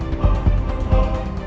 jika aku udah berhenti